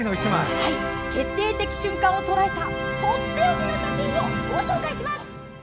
決定的瞬間をとらえたとっておきの写真をご紹介します。